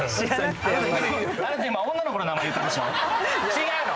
違うの。